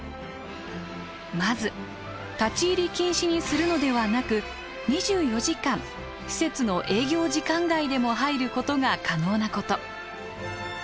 まず立ち入り禁止にするのではなく２４時間施設の営業時間外でも入ることが可能なこと。